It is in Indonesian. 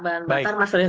bahan bakar mas reza